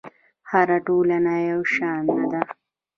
هره ټولنه یو شان نه ده.